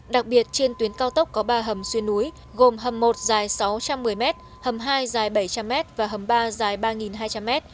đặc biệt trên tuyến cao tốc có ba hầm xuyên núi gồm hầm một dài sáu trăm một mươi m hầm hai dài bảy trăm linh m và hầm ba dài ba hai trăm linh m